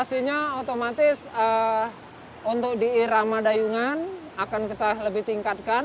vaksinasinya otomatis untuk di irama dayungan akan kita lebih tingkatkan